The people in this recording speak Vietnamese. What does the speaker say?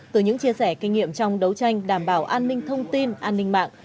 từ những chia sẻ kinh nghiệm trong đấu tranh đảm bảo an ninh thông tin an ninh mạng